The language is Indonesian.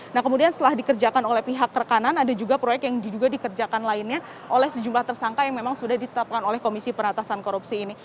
nah kemudian setelah dikerjakan oleh pihak rekanan ada juga proyek yang diduga dikerjakan lainnya oleh sejumlah tersangka yang memang sudah ditetapkan oleh komisi penatasan korupsi ini